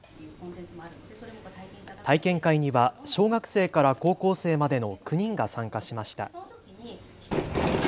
体験会には小学生から高校生までの９人が参加しました。